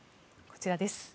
こちらです。